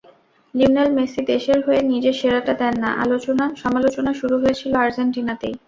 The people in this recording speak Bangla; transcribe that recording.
লিওনেল মেসি দেশের হয়ে নিজের সেরাটা দেন না—সমালোচনা শুরু হয়েছিল আর্জেন্টিনাতেই।